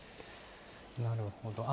なるほど。